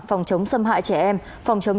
phòng chống xâm hại trẻ em phòng chống